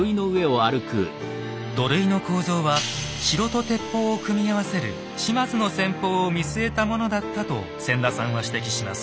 土塁の構造は城と鉄砲を組み合わせる島津の戦法を見据えたものだったと千田さんは指摘します。